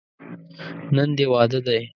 نن دې واده دی.